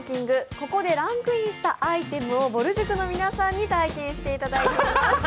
ここでランクインしたアイテムをぼる塾の皆さんに体験していただきます。